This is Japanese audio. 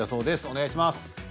お願いします。